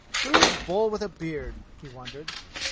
"Who's 'Bull with a beard'?" he wondered.